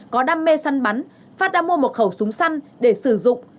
có đam mê săn bắn phát đã mua một khẩu súng săn để sử dụng